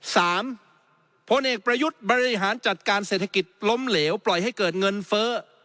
พลเอกประยุทธ์บริหารจัดการเศรษฐกิจล้มเหลวปล่อยให้เกิดเงินเฟ้อ